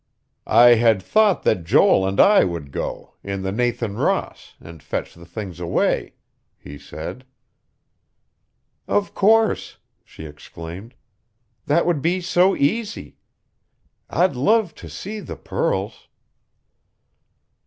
"I had thought that Joel and I would go, in the Nathan Ross, and fetch the things away," he said. "Of course," she exclaimed. "That would be so easy.... I'd love to see the pearls...."